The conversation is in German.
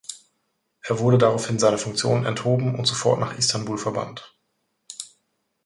Er wurde daraufhin seiner Funktion enthoben und sofort nach Istanbul verbannt.